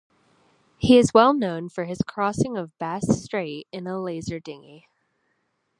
He is well known for his crossing of Bass Strait in a Laser dinghy.